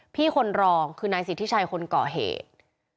พี่คนรองคือนายสิทธิชัยคนก่อเหตุ